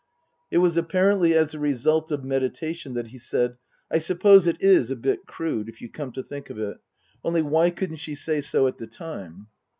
It was apparently as the result of meditation that he said, " I suppose it is a bit crude, if you come to think of it. Only why couldn't she say so at the time